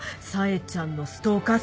冴ちゃんのストーカー？